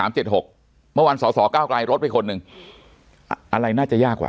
เมื่อวานสสเก้าไกลลดไปคนหนึ่งอะไรน่าจะยากกว่า